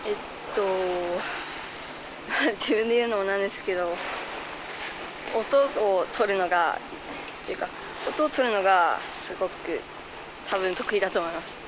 自分で言うのも何ですけど音を取るのがというか音を取るのがすごく多分、得意だと思います。